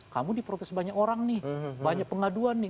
kamu diprotes banyak orang nih banyak pengaduan nih